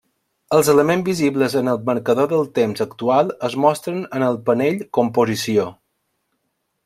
Els elements visibles en el marcador del temps actual es mostren en el panell Composició.